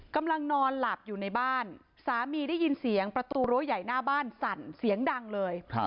กำลังนอนหลับอยู่ในบ้านสามีได้ยินเสียงประตูรั้วใหญ่หน้าบ้านสั่นเสียงดังเลย